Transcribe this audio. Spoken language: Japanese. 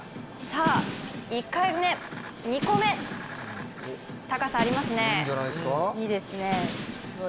１回目、２回目、高さありますね。